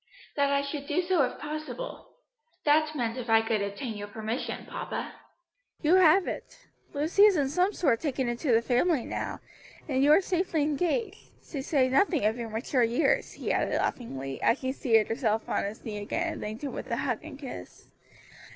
"That I should do so if possible; that meant if I could obtain your permission, papa." "You have it. Lucy is in some sort taken into the family now, and you are safely engaged; to say nothing of your mature years," he added laughingly, as she seated herself on his knee again and thanked him with a hug and kiss.